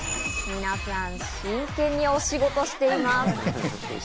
皆さん、真剣に推しごとしています。